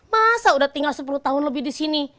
masa udah tinggal sepuluh tahun lebih di sini